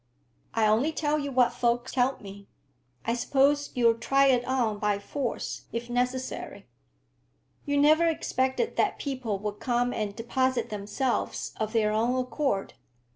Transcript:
"I only tell you what folk tell me. I suppose you'll try it on by force, if necessary. You never expected that people would come and deposit themselves of their own accord."